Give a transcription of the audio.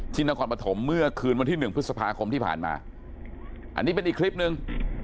นครปฐมเมื่อคืนวันที่๑พฤษภาคมที่ผ่านมาอันนี้เป็นอีกคลิปหนึ่ง